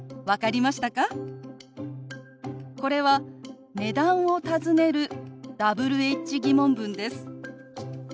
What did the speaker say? これは値段を尋ねるＷｈ−疑問文です。